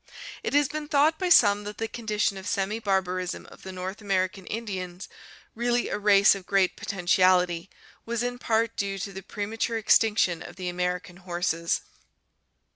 It has been thought by some that the condition of semi barbarism of the North Ameri can Indians, really a race of great potentiality, was in part due to the premature extinction of the American horses.